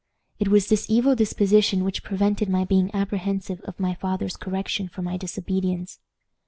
It was this evil disposition which prevented my being apprehensive of my father's correction for my disobedience.